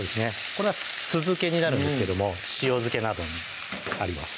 これは酢漬けになるんですけども塩漬けなどもあります